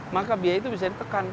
maka biaya itu bisa ditekan